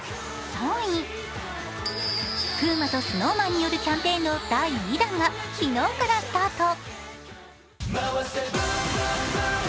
ＰＵＭＡとＳｎｏｗＭａｎによるキャンペーンの第２弾が昨日からスタート。